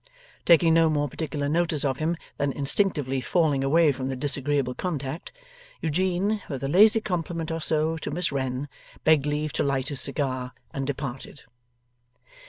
Taking no more particular notice of him than instinctively falling away from the disagreeable contact, Eugene, with a lazy compliment or so to Miss Wren, begged leave to light his cigar, and departed.